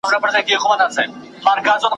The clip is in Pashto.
هیلې راغلې تر کشپه ویل یاره .